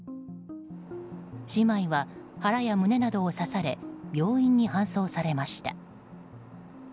姉妹は腹や胸などを刺され病院に搬送されました。